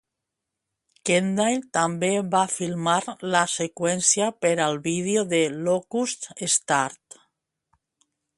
Kendall també va filmar la seqüència per al vídeo de "Locust Star".